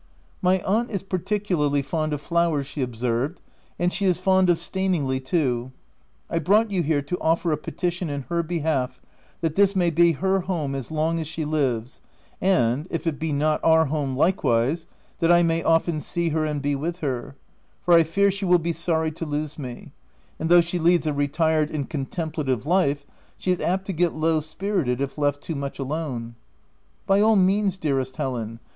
337 " My aunt is particularly fond of flowers," she observed, " and she is fond of Staningley too : I brought you here to offer a petition in her behalf that this may be her home as long as she lives, and — if it be not our home likewise — that I may often see her and be with her ; for I fear she will be sorry to lose me ; and, though she leads a retired and contemplative life, she is apt to get low spirited if left too much alone." " By all means, dearest Helen